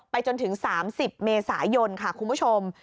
จนถึง๓๐เมษายนค่ะคุณผู้ชม